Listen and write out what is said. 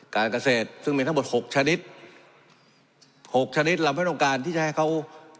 การเกษตรซึ่งมีทั้งหมดหกชนิดหกชนิดเราไม่ต้องการที่จะให้เขา